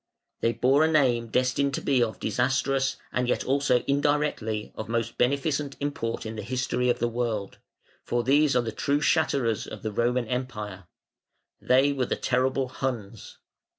They bore a name destined to be of disastrous and yet also indirectly of most beneficent import in the history of the world; for these are the true shatterers of the Roman Empire. They were the terrible Huns.